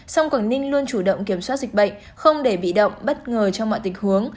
sông quảng ninh luôn chủ động kiểm soát dịch bệnh không để bị động bất ngờ trong mọi tình huống